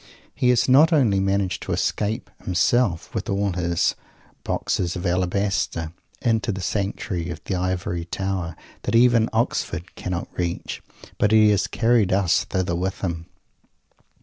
He has not only managed to escape, himself, with all his "Boxes of Alabaster," into the sanctuary of the Ivory Tower, that even Oxford cannot reach, but he has carried us thither with him.